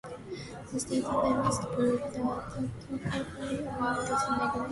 Instead, they must prove that the property owner was negligent.